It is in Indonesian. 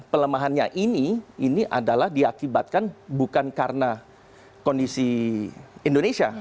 pelemahannya ini ini adalah diakibatkan bukan karena kondisi indonesia